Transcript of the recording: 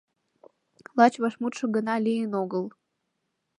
Лач вашмутшо гына лийын огыл.